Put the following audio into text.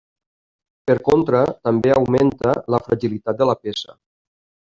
Per contra, també augmenta la fragilitat de la peça.